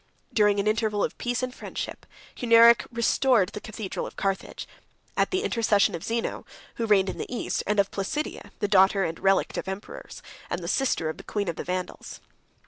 During an interval of peace and friendship, Hunneric restored the cathedral of Carthage; at the intercession of Zeno, who reigned in the East, and of Placidia, the daughter and relict of emperors, and the sister of the queen of the Vandals.